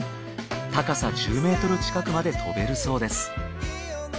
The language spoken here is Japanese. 高さ１０メートル近くまで飛べるそうです。